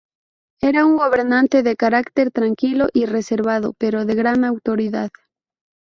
Era un gobernante de carácter tranquilo y reservado, pero de gran autoridad.